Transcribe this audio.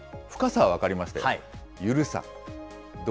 深さは分かりましたよ、ゆるさ。